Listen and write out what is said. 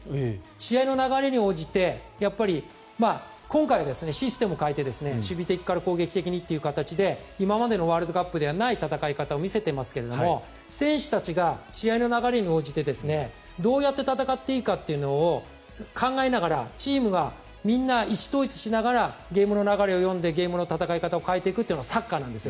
試合の流れに応じて今回はシステムを変えて守備的から攻撃的にという形で今までのワールドカップではない戦い方を見せていますが選手たちが試合の流れに応じてどうやって戦っていいかっていうのを考えながらチームが意思統一しながらゲームの流れを読んでゲームの戦い方を変えていくのがサッカーなんです。